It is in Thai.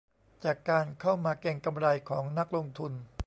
จากการเข้ามาเก็งกำไรของนักลงทุน